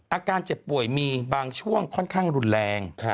อาการเจ็บป่วยมีบางช่วงค่อนข้างรุนแรง